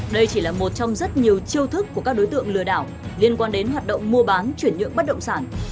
đây chỉ là một trong rất nhiều chiêu thức của các đối tượng lừa đảo liên quan đến hoạt động mua bán chuyển nhượng bất động sản